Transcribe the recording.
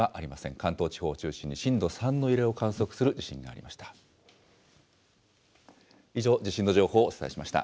関東地方を中心に震度３の揺れを観測する地震がありました。